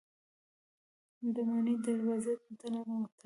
د ماڼۍ دروازې ته ننوتلو.